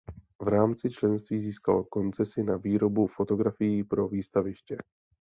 V rámci členství získal koncesi na výrobu fotografií pro výstaviště.